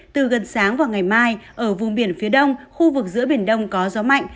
từ gần sáng vào ngày mai ở vùng biển phía đông khu vực giữa biển đông có gió mạnh